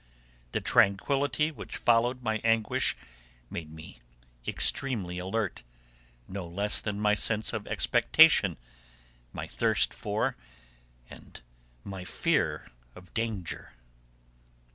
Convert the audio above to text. The tranquillity which followed my anguish made me extremely alert, no less than my sense of expectation, my thirst for and my fear of danger.